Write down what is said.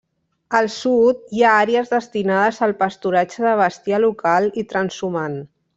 Al sud hi ha àrees destinades al pasturatge de bestiar local i transhumant.